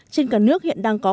trên cả nước hiện đang có